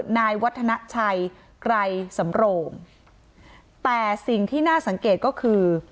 นายวัฒนาชัยไกรสำโรงแต่สิ่งที่น่าสังเกตก็คือ